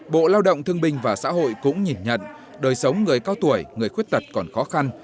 bộ lao động thương binh và xã hội cũng nhìn nhận đời sống người cao tuổi người khuyết tật còn khó khăn